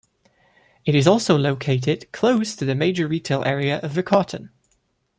It is also located close to the major retail area of Riccarton.